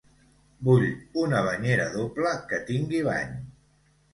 Vull una banyera doble, que tingui bany.